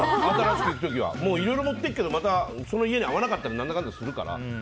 いろいろ持っていくけどその家に合わなかったりなんだかんだするから。